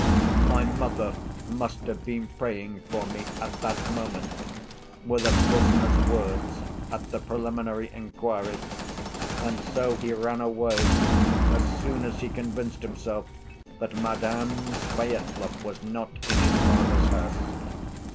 'My mother must have been praying for me at that moment,' were the prisoner's words at the preliminary inquiry, and so he ran away as soon as he convinced himself that Madame Svyetlov was not in his father's house.